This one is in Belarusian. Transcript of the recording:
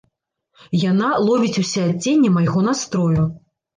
Яна ловіць усе адценні майго настрою.